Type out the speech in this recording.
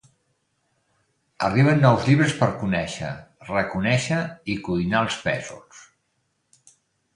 Arriben nous llibres per conèixer, reconèixer i cuinar els pèsols.